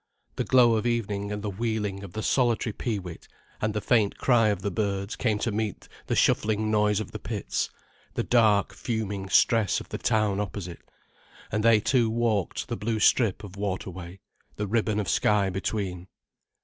The glow of evening and the wheeling of the solitary pee wit and the faint cry of the birds came to meet the shuffling noise of the pits, the dark, fuming stress of the town opposite, and they two walked the blue strip of water way, the ribbon of sky between.